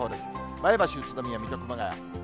前橋、宇都宮、水戸、熊谷。